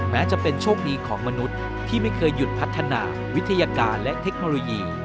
แม้จะเป็นโชคดีของมนุษย์ที่ไม่เคยหยุดพัฒนาวิทยาการและเทคโนโลยี